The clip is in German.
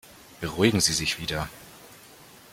Beruhigen Sie sich wieder.